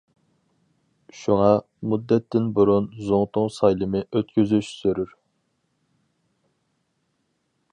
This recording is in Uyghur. شۇڭا، مۇددەتتىن بۇرۇن زۇڭتۇڭ سايلىمى ئۆتكۈزۈش زۆرۈر.